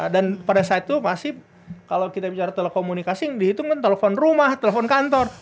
dan pada saat itu masih kalau kita bicara telekomunikasi dihitung kan telepon rumah telepon kantor